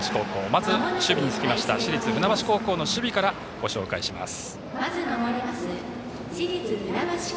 まず、守備につきました市立船橋高校の守備からご紹介します。